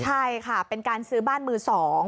ใช่ค่ะเป็นการซื้อบ้านมือ๒